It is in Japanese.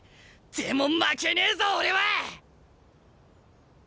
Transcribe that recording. でも負けねえぞ俺は！